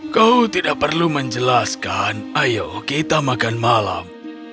kau tidak perlu menjelaskan ayo kita makan malam